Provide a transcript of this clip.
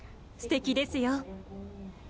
すてきですよ。